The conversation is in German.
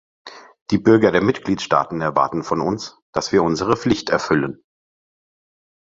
Die Bürger der Mitgliedstaaten erwarten von uns, dass wir unsere Pflicht erfüllen.